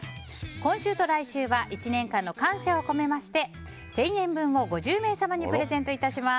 今週と来週は１年間の感謝を込めまして１０００円分を５０名様にプレゼントいたします。